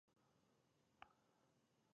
مخکې له زلزلې خپل کورنه څنګه جوړ کوړو؟